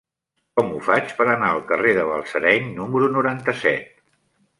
Com ho faig per anar al carrer de Balsareny número noranta-set?